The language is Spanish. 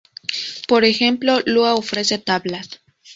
Por ejemplo, Lua ofrece tablas.